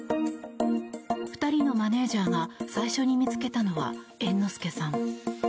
２人のマネジャーが最初に見つけたのは猿之助さん。